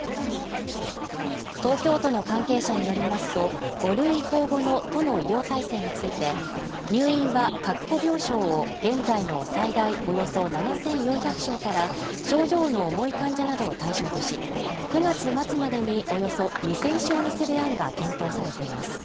東京都の関係者によりますと、５類移行後の都の医療体制について、入院は確保病床を現在の最大およそ７４００床から症状の重い患者などを対象とし、９月末までにおよそ２０００床にする案が検討されています。